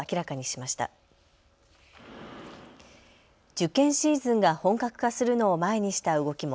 受験シーズンが本格化するのを前にした動きも。